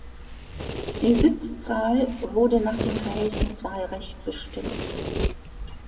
Die Sitzzahl wurde nach dem Verhältniswahlrecht bestimmt.